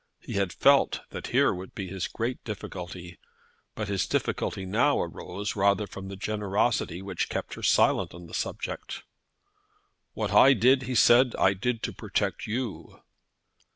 He had felt that here would be his great difficulty, but his difficulty now arose rather from the generosity which kept her silent on the subject. "What I did," he said, "I did to protect you."